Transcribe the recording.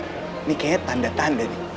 ini kayaknya tanda tanda nih